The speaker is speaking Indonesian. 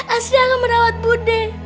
asli akan merawat budi